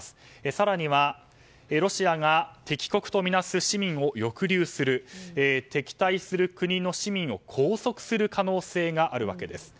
更にはロシアが敵国とみなす市民を抑留する、敵対する国の市民を拘束する可能性があるわけです。